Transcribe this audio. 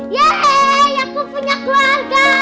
yeay aku punya keluarga